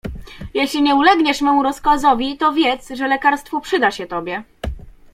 "Jeśli nie ulegniesz memu rozkazowi, to wiedz, że lekarstwo przyda się tobie."